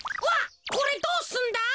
わっこれどうすんだ？